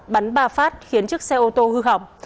bắn ba phát khiến chiếc xe ô tô hư hỏng